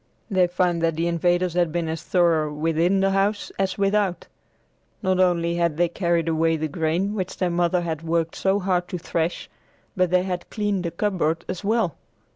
They found that the invaders had been as thorough within the house as without. Not only had they carried away the grain which their mother had worked so hard to thresh, but they had cleaned the cupboard as well.